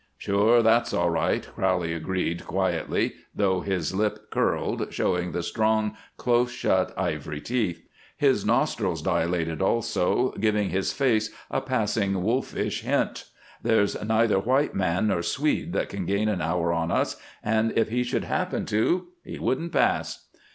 "Sure! That's all right," Crowley agreed, quietly, though his lip curled, showing the strong, close shut, ivory teeth. His nostrils dilated, also, giving his face a passing wolfish hint. "There's neither white man nor Swede that can gain an hour on us, and if he should happen to he wouldn't pass."